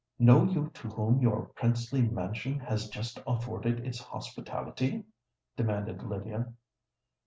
"Know you to whom your princely mansion has just afforded its hospitality?" demanded Lydia.